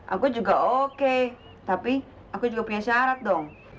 aku juga oke tapi aku juga punya syarat dong